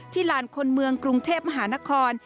ลานคนเมืองกรุงเทพมหานคร